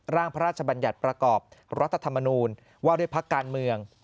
ร่างพระราชบัญญัติประกอบรัฐธรรมนูญว่าด้วยพักการเมือง